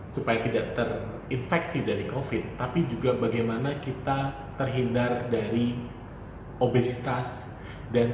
supaya tidak terinfeksi dari covid tapi juga bagaimana kita terhindar dari obesitas dan